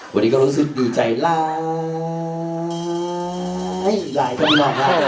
วันนี้ก็รู้สึกดีใจแล้ว